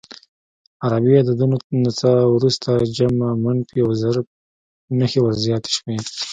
عربي عددونو ته وروسته جمع، منفي او ضرب نښې ور زیاتې شوې.